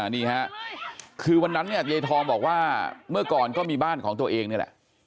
นี่ค่ะคือวันนั้นเนี่ยยายทองบอกว่าเมื่อก่อนก็มีบ้านของตัวเองนี่แหละ